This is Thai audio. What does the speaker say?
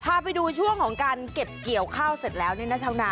พาไปดูช่วงของการเก็บเกี่ยวข้าวเสร็จแล้วเนี่ยนะชาวนา